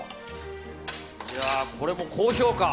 これも高評価。